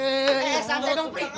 eh sampe dong prik